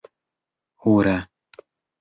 hura